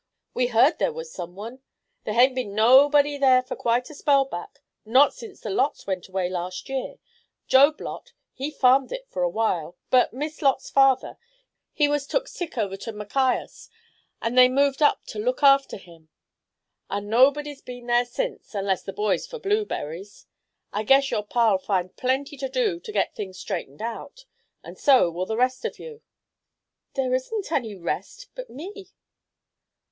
We heard there was some one. There hain't been nobody there for quite a spell back, not since the Lotts went away last year. Job Lott, he farmed it for a while; but Miss Lott's father, he was took sick over to Machias, and they moved up to look after him, and nobody's been there since, unless the boys for blueberries. I guess your Pa'll find plenty to do to get things straightened out, and so will the rest of you." "There isn't any 'rest' but me."